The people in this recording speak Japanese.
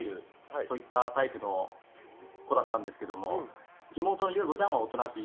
そういったタイプの子だったんですけど、妹の友香子ちゃんはおとなしい。